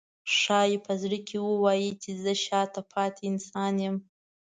ښایي په زړه کې ووایي چې زه شاته پاتې انسان یم.